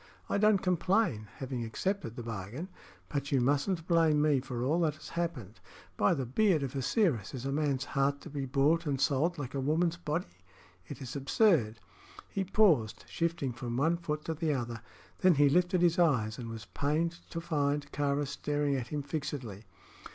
I don't complain, having accepted the bargain; but you mustn't blame me for all that has happened. By the beard of Osiris! is a man's heart to be bought and sold like a woman's body? It is absurd." He paused, shifting from one foot to the other. Then he lifted his eyes, and was pained to find Kāra staring at him fixedly.